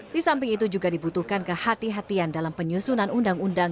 di samping itu juga dibutuhkan kehatian kehatian dalam penyusunan undang undang